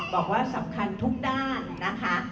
บอกว่าสำคัญทุกด้านนะคะ